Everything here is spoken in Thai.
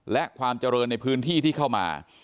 และความเจริญในพื้นที่ที่เข้ามา